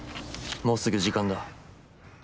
もうすぐ時間だ。